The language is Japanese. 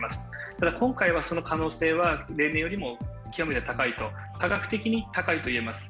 ただ今回は、その可能性は例年的に比べ高いと、科学的に高いといえます。